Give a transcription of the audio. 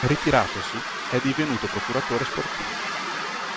Ritiratosi, è divenuto procuratore sportivo.